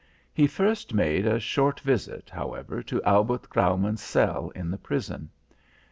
He first made a short visit, however, to Albert Graumann's cell in the prison.